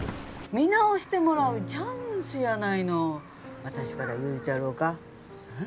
見直してもらうチャンスやないの私から言うちゃろうかうん？